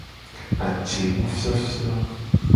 Ajenufiofio.